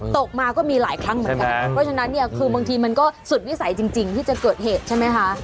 ตกมาก็มีหลายครั้งเหมือนกันเพราะฉะนั้นเนี่ยคือบางทีมันก็สุดวิสัยจริงที่จะเกิดเหตุใช่ไหมคะ